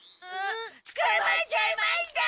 つかまっちゃいました！